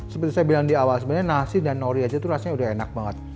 seperti yang saya bilang di awal sebenarnya nasi dan nori saja rasanya sudah enak banget